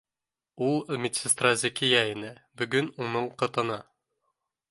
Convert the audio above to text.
Ул медсестра Зәкиә ине, бөгөн уның ҡатыны